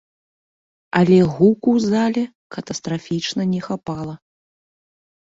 Але гуку зале катастрафічна не хапала.